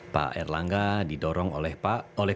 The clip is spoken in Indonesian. pak erlangga didorong oleh